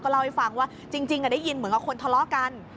เล่าให้ฟังว่าจริงได้ยินเหมือนกับคนทะเลาะกัน